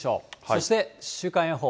そして週間予報。